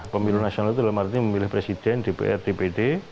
pemilu nasional itu dalam arti memilih presiden dpr dpd